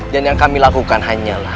dan yang kami lakukan hanyalah